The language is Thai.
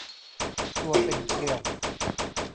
ตัวเป็นเกลียว